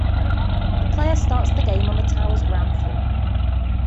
The player starts the game on the tower's ground floor.